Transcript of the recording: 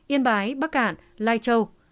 yên bái bắc cạn lai châu